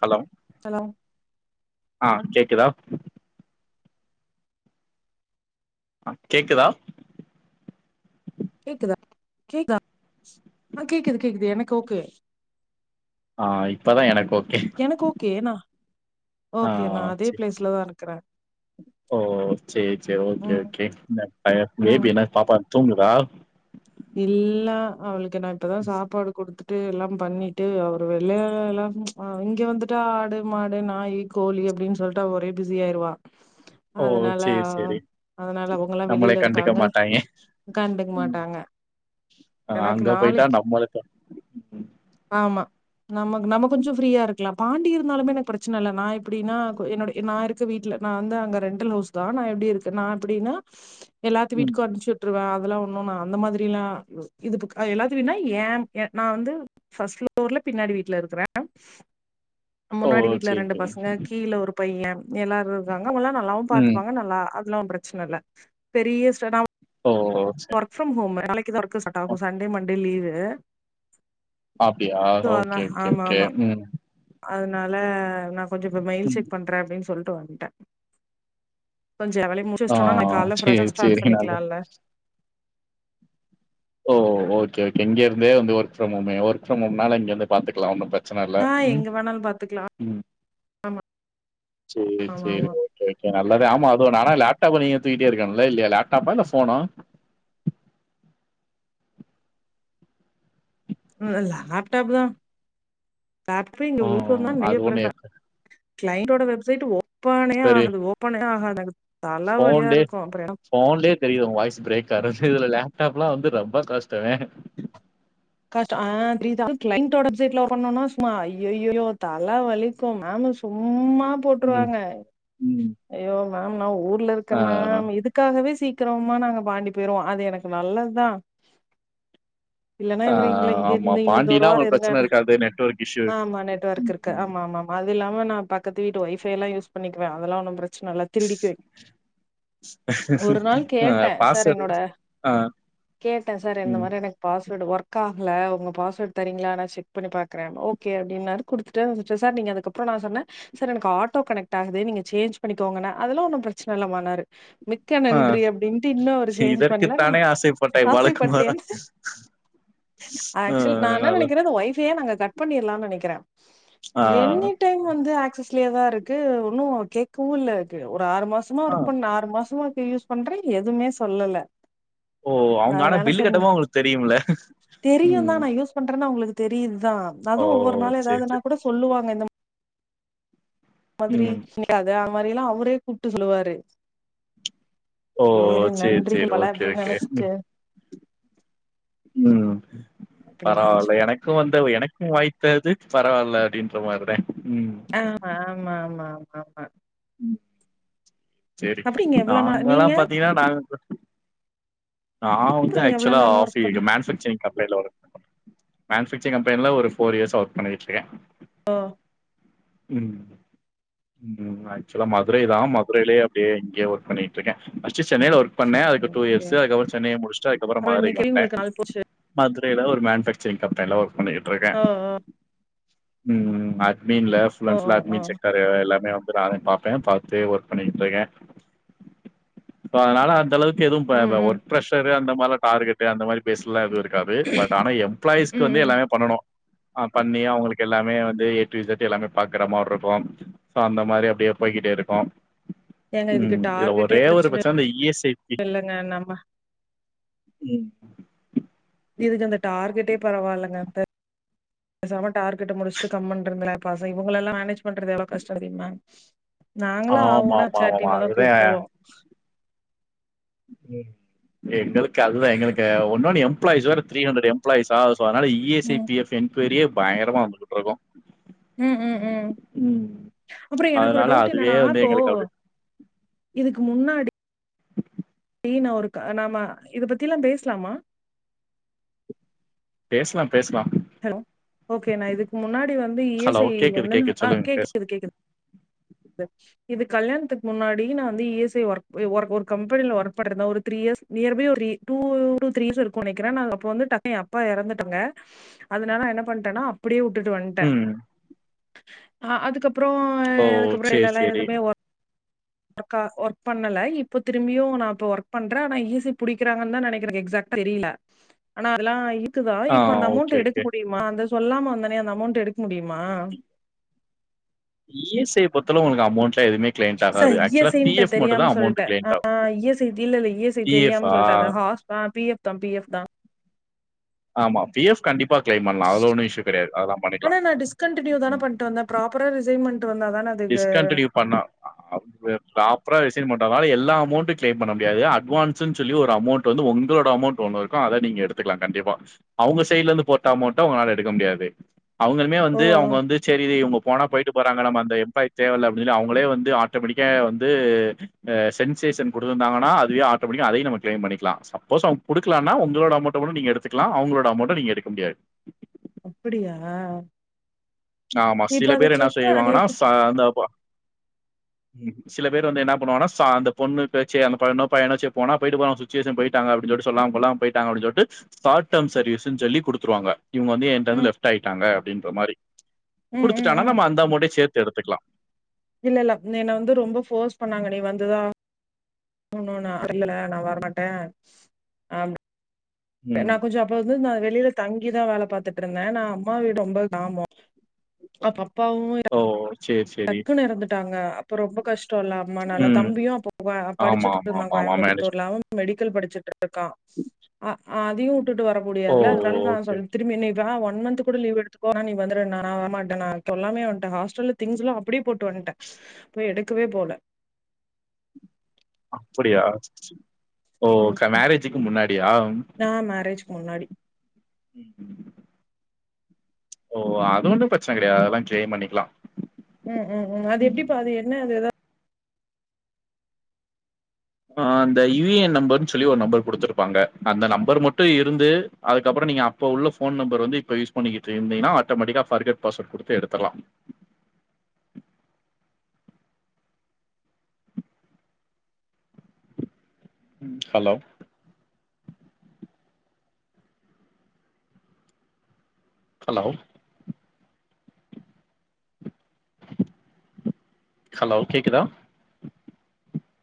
Hello hello ஆ கேக்குதா ஆ கேக்குதா கேக்குதா கேக்குத ஆ கேக்குது கேக்குது எனக்கு ஓகே ஆ இப்பதா எனக்கு ஓகே எனக்கு ஓகே நா ஆ ஓகே நா அதே செரி பிளேஸ்லதா இருக்கறே ஓ சேரி சே ஓகே ம் ஓகே ந பய ம் பேபி என்ன பாப்பா தூங்குதா இல்ல அவளுக்கு நா இப்பதா சாப்பாடு குடுத்துட் டு எல்லாம் பண்ணிட்டு அவரு வெள்ளையெல்லாம் அ இங்க வந்துட்டா ஆடு மாடு நாய் கோழி எப்டின் சொல்ட்டு அவ ஒரே பிஸி ஆயிருவா ஓ அதனால சேரி சேரி அதனால அவுங்கலா நம்மளே வெளில கண்டுக்க இருக்காங்க மாட்டாய்ங்க உக்காந்துக் ம் மாட்டாங்க ஆ எனக்கு அங்க போயிட்டா நாளைக்கி நம்மளுக்கு ம் ஆமா நமக் நம்ம கொஞ்சோ ஃப்ரீயாருக்கலா பாண்டி இருந்தாலுமே எனக்கு பிரச்சனல்ல நா இப்டினா கு என்னோட நா இருக்க வீட் ட்ல நா வந்து அங்க ரெண்டல் ஹவுஸ்தா நா எப்டி இருக்குன் நா எப்டினா எல்லாத்து ம் வீட்டுக்கு அம்ச்சூட்ருவே அதுலா ஒன்னு நா அந்த மாதி ரிலா இதுக்குக் அ எல்லாதுகிட்னா ஏன் எ நா வந்து ஃபஸ்ட் பிஃளோர்ல பின்னாடி வீட்ல இருக்கறே ஓ முன்னாடி வீட்ல சேரி ரெண்டு சேரி பசங்க கீழ ஒரு பைய எல்லாரு இருக்காங்க அவுல்லா நல்லாவு ம் பாத்துப்பாங்க நல்லா அதுலாம் பிரச்சனல்ல பெரியஸ்ட நா உ ஓ சேரி ஒர்க் பிஃரம் ஹோமு நாளைக்குதா ஒர்க்கு அ ஸ்டாட்டாகு சண்டே மண்டே லீவு ஆப்டியா ஸோ ஓகே அதான் ஓகே ஓகே ஆமாமா. உம் அதனால நா கொஞ்ச இப்ப மெயில் ம் செட் பண்றே அப்டின் சொல்ட்டு வன்ட கொஞ்ச ஏ வேலைய முடிச்சு ஆ வஸ்டோனா நா கால்ல ஃப்ரெஷா சேரி ஸ்டார்ட் சேரி நல்ல பண்ணிக்லா இல்ல ஓ ஓகே ஓகே இங்கிருந்தே வந்து ஒர்க் ஃப்ரம் ஹோமே ஒர்க் ப்ரம் ஹோம்னால இங்கந்தே பாத்துக்லா ஒன்னு பிர ச்சனல்ல ஆ உம் எங்க வேணாலு பாத்துக்கலா உம் ஆமா சேரி ஆமா சேரி ஆமா ஓகே ஓகே நல்லேதே ஆமா அ தோ நானா லேப்டாப்ப நீங்க தூக்கிட்டே இருக்கல்ல இல்லையா லேப்டாப்பா இல்ல போனோ உம் லேப்டாப்புதா ம் அது ஒண்ணு [unintelligible] இருக்கு. கிளைண்ட்டோட வெப்சைட்டு ஓ ப்பானே ஆகுது ஓப்பனே ஆகாது அ ஃபோன்டே போன்லியே தெரிது உங்க வாய்ஸ் ப்ரேக் கடைசி இதுல லேப்டாப்லா வந்து ரொம்ப கஷ்டமே கஷ்ட அ த்ரீதா அது க்ளைண்ட்டோட வெப்சைட்ல ஒர்க் பண்ணோனா சும்மா அய்யய்யய்யோ தல வலிக்கு மேம் சும்மா அ ம் போட்டுருவாங்க ம் ஐயோ மேம் நான் ஊர்ல இருக்கே ஆ மேம் இதுக்காகவே சீக் ரமா நாங்க பாண்டி போயிருவோ அது எனக்கு நல்லத்தா இல்லன்னா ஆ இவரு இங்கல இங்க ஆமா இரு இங்க த ஒரு பாண்டினா வாரோ உங்களுக்கு இருங்க பிரச்சன இருக்காது நெட்வொர்க் இஷ்யூ ஆமா நெட்வொர்க் இருக்கருக்கா ம் ஆமா ஆமா ஆமா அது இல்லாம நா பக்கத்து வீட்டு ஒய்ஃபை எல்லா யூஸ் பண்ணிக்குவே அதெல்லா ஒண்ணு பிரச்சன இல்ல திருடிக்குவே ஒரு நாள் ஆ கேட்டே சார் பாஸ்வேர்டு என்னோட ஆ கேட்டே சார் இந்த ம் மாரி எனக்கு பாஸ் பிரிண்ட் ஒர்க் ஆகுல உங்க பாஸ்வேர்ட் தரீங்களா நா செக் பண்ணி பாக்குறே ஓகே அப்டீன்னாரு குடுத்துட்டே சார் நீங்க அதுக்கப்புறோ நா சொன்னே சார் எனக்கு ஆட்டோ கனெக்ட் ஆகுது நீங்க சேஞ் பண்ணிக்கோங்க அதெல்லா ஒன்னோ பிரச்சன இல்லமா இன்னாரு மிக்க ஆ நன்றி அப்டீன்ட்டு இன்னோ ஒரு சேஞ்ச் பண்ல நா இதற்குத்தானே ஆசைப்பட்டாய் பாலகுமாரா ஆசைப்பட்டேன் ஆ ஆக்சுவல் நா என்ன நல்லது நெனைக்கிறேது ஒய்ஃ பைய நாங்க கட் பண்ணிடலானு நெனைக்குறே ஆ என்னி டைம் வந்து ஆக்சி க்ளியரா இருக்கு ஒன்னோ கேக்கவு இல்ல இருக்கு ஒரு ஆறு மாசமா ஆ ஒர்க் பண்ண ஆறு மாசமா இது யூஸ் பண்றே எதுவுமே சொல்லல ஓ அவுங்க ஆனா அதனால பில்லு சரி கட்டுமோ அவுங்குளுக்கு தெரியும்ல தெரியு தா ம் நா யூஸ் பண்றன்னு அவுங்குளுக்கு தெரியுது அதா ஓ அதுவு ஒவ்வோரு சேரி நாளேகாலுன்னா சேரி கூட சொல்லுவாங்க இந்த இந்த மாதிரி நிக்காத அது மாதிரி எல்லா அவரே கூப்புட்டு சொல்லுவாரு ஓ சேரி செரி நன்றிகள் செரி பல ஓகே அப்டின்னு ஓகே நெனைச்சிட்டு ம் அப்டின்னு பரவால நெனைச்சுப்பே எனக்கோ வந்த எனக்கும் வாய்த்தது பரவால அப்டீன்ற மாதிரிதே ஆ ஆமா ஆமா ஆமா ஆமா ஆமா செரி அப்டிங்க எவ்ளோ நாள் நாள்நாளா நீங்க பாத்தீங்கன்னா நாங்க நா வந்து அப்றோ எவ்ளோ ஆக்சுவலா நாளா ஒர்க் ஆஃபி பண்ற மேனுபேக்சரிங் கம்பெனில வொர்க் மேனுஃபேக்சரிங் கம்பெனில ஒரு ஃபோர் இயர்ஸா ஒர்க் பண்ணிட்ருக்கே ஓ ம் ம் ஆக்சுவலா மதுரை தா மதுரலயே அப்டியே இங்கேயே ஒர்க் பண்ணிட்ருக்கே ஃபஸ்ட்டு சென்னைல ஒர்க் பண்ணே அது டூ டூ ஓகே இயர்ஸு அதுக்கப்புறோ சென்னைய முடிச்ட்டு அதுக்கப்புறோ அப்றோ மதுரைக்கு இன்னைக்கு வந்தே உங்களுக்கு நாள் மதுரைல ஒரு மேன் ஃபேக்ச்சறிங் கம்பெனில ஒர்க் பண்ணிட்ருக்கே ஆ ஆ ம் அட்மின்ல ஆ ஆ ஃப்லன்ஸ்ல ஆ அட்மின் செக் அது எல்லாமே நானே பாப்பே பாத்து ஒர்க் பண்ணிட்ருக்கே இப்ப அதனால அந்த அளவுக் ஒர்க் எதுவு ப ம் ப ம் ஒர்க் ப்ரஷரு அந்த மாரிலா டார்கெட்டு அந்த மாரி பேஸ்லா எதுவு இருக் காது பட் ஆனா ம் எம்ப்ளாய்ஸ்க்கு வந்து ம் எல்லாமே பண்ணனோ ஆ பண்ணி அவுங்குளுக்கு எல்லாமே வந்து ஏ டு இசட்டு எல்லாமே பாக்குற மார்ருக்கோ சோ அந்த மாரி அப்டியே போய்கிட்டே இருக்கோ ஏங்க இதுக்கு ம் இதுல டார்கெட்டே ஒரே ஒரு பிரச்சன ப்ரெச்சென அந்த இ எஸ் ஐ இ இல்லங்க நம்ம ம் பரவாயில்லங்க சார் பேசாம டார்கெட்ட முடிச்ட்டு கம்முன்னு இருங்களே பசங் இவுங்களல்லா மேனேஜ் பண்றது எவ்ளோ கஷ்டோ தெறியுமா நாங்களோ ஆவூனா எச் ஆர் ஆமாமாமாமா. டீமதா அதுதான் கூப்டுவோ ம் எங்களுக்கு அதுதா எங்களுக்கு உன்னோன்னு எம்ப்ளாய்ஸ வேற த்ரீ ஹண்ரட் எம்லாயீஸ்ஸா ஸோ அதனால இ எஸ் ஐ ம் பி எஃப் என்கொய்ரியே பயங்கரமா வந்துகுட்ருக்கோ ம் ம் ம் அப்புறோ எனக்கு ஒரு அதனால டவுட்டு அதுவே என்னன்னா வந்து இப்போ எங்களுக்கு அப்டி இதுக்கு முன்னாடி டி நா ஒரு க நாம இது பத்திலா பேஸ்லாமா பேஸ்லாம் ஹலோ ஓகே நா இதுக்கு முன்னாடி வந்து இ எஸ் ஹலோ ஐ வந்து கேக்குது வந்துனா கேக்குது ஹ சொல்லுங்க பேச கேக்குது கேக்குது இது இது கல்யாணத்துக்கு முன்னாடி நா வந்து E S I work a work ஒரு கம்பெனில ஒர்க் பாத்துட்றுந்த ஒரு three years near by ஒரு three two two three years இருக்கோ நெனைக்கிறே ஆனா அப்போ வந்து டக்னு என் அப்பா எறந்துட்டாங்க அதனால அதனால என்ன பண்ட்டனா அப்பிடியே உட்டுட்டு வன்ட்டே ம் அ அதுக்கப்புற ஓ சேர் சேரி க்கா ஒர்க் பண்ணல இப்ப திரும்பியு நா இப்ப ஒர்க் பண்றே ஆனா இ எஸ் ஐ புடிக்கறாங்கன்தா நெனைக்கிறே எக்ஸேக் தெரில ஆனா அதெலா குதா ஆ இப்ப அந்த ஓகே அமௌண்ட்ட எடுக்க ஓகே முடியுமா அந்த சொல்லாம வந்தனே அந்த அமௌண்ட்ட எடுக்க முடியுமா இ எஸ் ஐ பொறுத்தளவு உனக்கு அமௌண்ட் எதுமே கிளைண்ட் ஆகாது சார் இ ஆக்சுவலா எஸ் ஐ பி ன்ட்டு எஃப் மட்டுந்தா தெரியாம சொல்ட்டே அமௌண்ட் கிளைண்ட் ஆகு பி எஃப் ஆ இந்த ஹாஸ் ஆ பி எஃப் தா பி எஃப் தா ஆமா பி எஃப் கண்டிப் ப்ப கிளைம் பண்லா அதுல ஒண்ணு இஷ்யூ கெடையாது அதெலா பண்ணிக்லா ஆனா நா டிஸ்கண்டினியூ தான பண்ட்டு வந்தே ப்ராப்பரா ரிசைன் பண்ட்டு வந்தா தான அதுக்கு டிஸ்கண்டின்யூ பண்ணா அப் எப் பாப் பரா ரிஸைன் பண்ணாதனால எல்லா அமௌண்ட்டு கிளைம் பண்ண முடியாது அட்வான்ஸ்ன் சொல்லி ஒரு அமௌன்ட் வந்து உங்களோட அமெளன்ட் ஒன்னு இருக்கு அத நீங்க எடுத்துக்கலா கண்டிப்பா அவங்க சைட்ல இருந்து போட்ட அமௌன்ட்ட உங்களால எடுக்க முடியாது அவங்களுமே ஓ வந்து அவுங்க வந்து சேரி இவுங்க போனா போய்ட்டு போறாங்க நம்ம அந்த எம்ப்ளாயி தேவல்ல அப்டினு சொல்லி அவுங்களே வந்து ஆட்டோமெட்டிக்கா வந்து அ சென்சேஷன் குடுத்துருந்தாங்கனா அதுவே ஆட்டோமெடிக்கா அதையு நம்ம கிளைம் பண்ணிக்கலா சப்போஸ் அவுங்க குடுக்கலனா உங்களோட அமௌன்ட்ட கூட நீங்க எடுத்துக்கலா அவங்களோட அமௌன்ட்ட நீங்க எடுக்க முடியாது அப்பிடியா ஆமா இப்ப சில அத பேர் என்ன செக் ப அது செய்வாங்கனா எப்ப ச அந்தாபா சில பேர் வந்து என்னா பண்ணுவாங்னா ச அந்த பொண்ணு போச்சு அந்த பொண்ணோ பயனோ செரி போனா போயிட்டு போறா சிச்சுவேஷன் போய்ட்டா அப்டினு சொல்லிட்டு செரி சொல்லாம சொல்லாம போயிட்டா அப்டின் சொல்ட்டு ஸாட் டெம் சர்வீஸ்னு சொல்லி குடுத்துருவாங்க இவுங்க வந்து என்டேந்து ம் லெஃப்ட் ஆயிட்டாங்க அப்டின்ற மாரி ம் ம் குடுத்துட்டானா நம்ம அந்த அமௌன்ட்டயு சேத்து எடுத்துக்லா இல்லல்ல என்ன வந்து ரொம்ப ஃபோர்ஸ் பண்ணாங்க நீ வந்துதா ஆகனுனு இல்ல நா வரமாட்ட அப் ம் நா கொஞ்ச அப்ப வந்து நா வெளில தங்கிதா வேல பாத்துட்ருந்த நா அம்மா வீடு ரொம்ப கிராம அப்ப அப்பாவு ஓ! சரி, சரி. டக்குனு எறந்துட்டாங்க அப்ப ரொம்ப கஷ் டல்ல அம்மானால ம். தம்பியு அப்ப ஆமா, ஆமா, படிச்சிட்ருந்தா ஆமா, ஆமா. மேரேஜ் கோயம்புத்தூர்ல அவனு மெடிக்கல் படிச்சுட்ரு க்கா அ அதையு உட்டுட்டு வர ஓ! முடியாதுல அதனால நா ஓகே. சொல் திரும்பி நீ வா ஒன் மன்த் து கூட லீவ் எடுத்துக்கோ ஆனா நீ வந்துருனா நா வரமாட்ட நா சொல்லாமயே வன்ட்ட ஹாஸ்டல்ல திங்ஸ்லா அப்டியே போட்டு வன்ட்டே போய் எடுக்கவே போல அப்டியா ஓ ம். க மேரேஜுக்கு முன்னாடியா நான் மேரேஜ்க்கு முன்னாடி ம் ம் ஓ அதொன்னு பிரச்சன கெடையாது அதெல்லா கிளெய்ம் பண்ணிக்லா ம் ம் ம் அதெப்டிபா அது என்ன அது எதா அந்த யு ஏ நம்பர்ன் சொல்லி ஒரு நம்பர் குடுத்ருப்பாங்க அந்த நம்பர் மட்டு இருந்து அதுக்கப்பற நீங்க அப்ப உள்ள ஃபோன் நம்பர் வந்து இப்ப யூஸ் பண்ணிகிட்டு இருந்தினா ஆட்டோமெட்டிக்கா ஃபர்கெட் பாஸ்வேர்டு குடுத்து எடுத்தர்லா ஹலோ ஹலோ ஹலோ கேக்குதா?